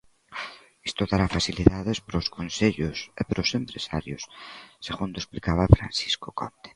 Isto dará facilidades para os concellos e para os empresarios, segundo explicaba Francisco Conde.